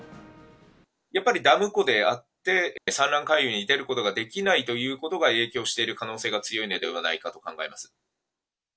やっぱりダム湖であって、産卵回遊に出ることができないということが、影響している可能性が強いのではないかと考えます。